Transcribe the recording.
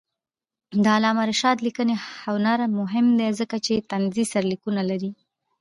د علامه رشاد لیکنی هنر مهم دی ځکه چې طنزي سرلیکونه لري.